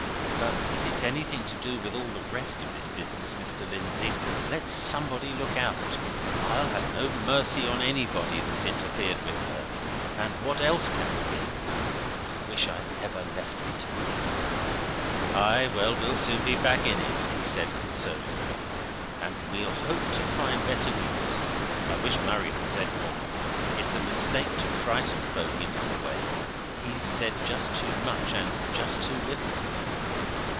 "But if it's anything to do with all the rest of this business, Mr. Lindsey, let somebody look out! I'll have no mercy on anybody that's interfered with her and what else can it be? I wish I'd never left the town!" "Aye, well, we'll soon be back in it," he said, consolingly. "And we'll hope to find better news. I wish Murray had said more; it's a mistake to frighten folk in that way he's said just too much and just too little."